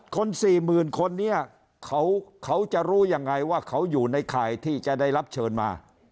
สี่หมื่นคนนี้เขาจะรู้ยังไงว่าเขาอยู่ในข่ายที่จะได้รับเชิญมา